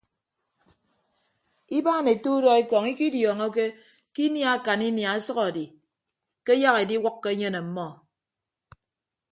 Ibaan ete udọ ekọñ ikidiọọñọke ke inia akan inia ọsʌk edi ke ayak ediwʌkkọ enyen ọmmọ.